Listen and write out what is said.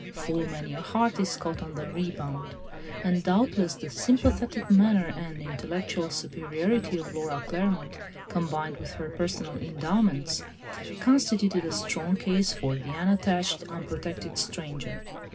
"Full many a heart is caught on the rebound," and doubtless the sympathetic manner and intellectual superiority of Laura Claremont, combined with her personal endowments, constituted a strong case for the unattached, unprotected stranger.